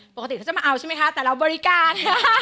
ปกติเขาจะมาเอาใช่ไหมคะแต่เราบริการ